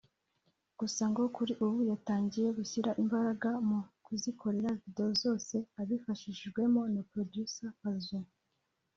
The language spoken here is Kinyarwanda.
gusa ngo kuri ubu yatangiye gushyira imbaraga mu kuzikorera video zose abifashijwemo na Producer Fazzo